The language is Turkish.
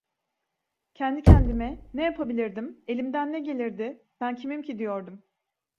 Kendi kendime: "Ne yapabilirdim? Elimden ne gelirdi? Ben kimim ki?" diyordum.